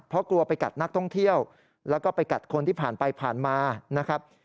เพราะกลัวไปกัดนักท่องเที่ยวแล้วก็ไปกัดคนที่ผ่านไปผ่านมานะครับ